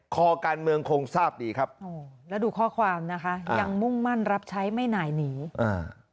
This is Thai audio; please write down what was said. คอการเมืองคงทราบดีครับโอ้แล้วดูข้อความนะคะยังมุ่งมั่นรับใช้ไม่หน่ายหนีอ่า